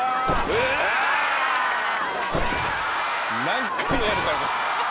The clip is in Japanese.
何回もやるからこれ。